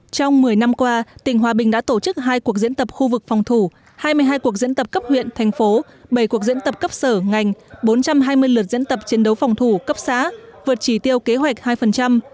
trong một mươi năm qua tỉnh hòa bình đã tổ chức hai cuộc diễn tập khu vực phòng thủ hai mươi hai cuộc diễn tập cấp huyện thành phố bảy cuộc diễn tập cấp sở ngành bốn trăm hai mươi lượt diễn tập chiến đấu phòng thủ cấp xã vượt chỉ tiêu kế hoạch hai